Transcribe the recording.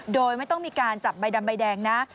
โดยไม่ต้องมีการจับใบดำใบแดงนะ